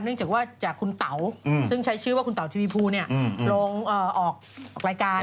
จากว่าจากคุณเต๋าซึ่งใช้ชื่อว่าคุณเต๋าทีวีภูลงออกรายการ